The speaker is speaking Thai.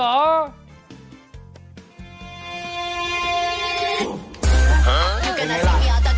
ฮะเป็นไงล่ะ